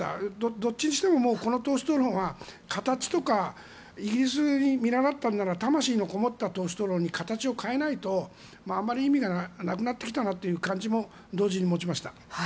どっちにしてもこの党首討論は形とかイギリスに見習ったなら魂のこもった党首討論に形を変えないとあまり意味がなくなってきたなという感じも同時に持ちました。